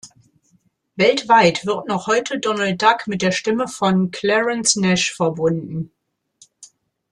Weltweit wird noch heute Donald Duck mit der Stimme von Clarence Nash verbunden.